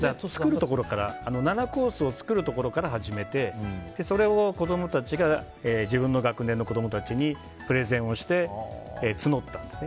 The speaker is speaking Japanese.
７コースを作るところから始めてそれを子供たちが、自分の学年の子供たちにプレゼンして募ったんですね。